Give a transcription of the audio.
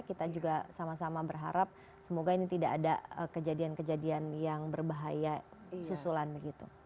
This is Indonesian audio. kita juga sama sama berharap semoga ini tidak ada kejadian kejadian yang berbahaya susulan begitu